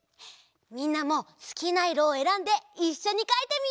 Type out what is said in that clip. みんなもすきないろをえらんでいっしょにかいてみよう！